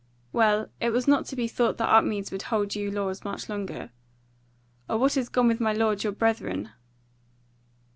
Well, it was not to be thought that Upmeads would hold you lords much longer. Or what is gone with my lords your brethren?"